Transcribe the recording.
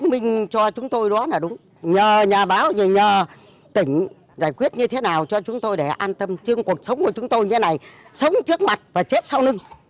cuộc sống của chúng tôi như thế này sống trước mặt và chết sau lưng